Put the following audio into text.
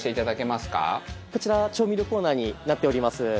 高橋さん：こちら調味料コーナーになっております。